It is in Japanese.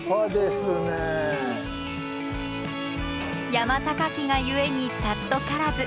山高きが故に貴からず。